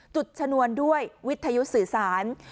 ชนวนด้วยวิทยุสื่อสาร